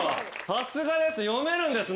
さすがです。